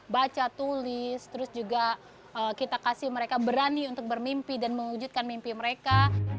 baca tulis terus juga kita kasih mereka berani untuk bermimpi dan mewujudkan mimpi mereka